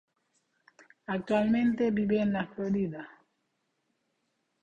Actualmente vive en La Florida.